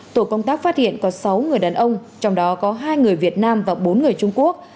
tổ công tác phát hiện có sáu người đàn ông trong đó có hai người việt nam và bốn người trung quốc